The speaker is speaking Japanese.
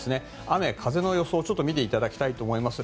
雨、風の予想を見ていただきたいと思います。